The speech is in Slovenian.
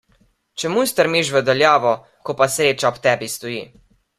Čemu strmiš v daljavo, ko pa sreča ob tebi stoji.